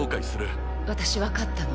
私分かったの。